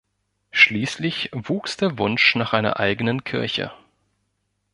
Schließlich wuchs der Wunsch nach einer eigenen Kirche.